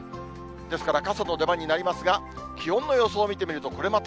ですから傘の出番になりますが、気温の予想を見てみると、これま